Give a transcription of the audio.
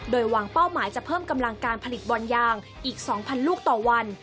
โดยวางเป้าหมายจะเพิ่มกำลังการผลิตบอลยางอีก๒๐๐ลูกต่อวัน